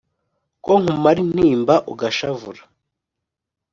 ko nkumara intimba ugashavura